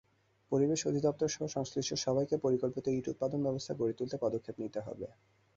পরিবেশ অধিদপ্তরসহ সংশ্লিষ্ট সবাইকে পরিকল্পিত ইট উৎপাদনব্যবস্থা গড়ে তুলতে পদক্ষেপ নিতে হবে।